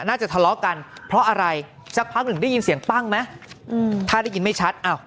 น่าจะทะเลาะกันเพราะอะไรสักพักหนึ่งได้ยินเสียงปั้งไหมถ้าได้ยินไม่ชัด